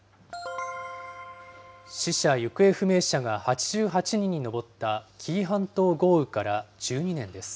死者・行方不明者が８８人に上った紀伊半島豪雨から１２年です。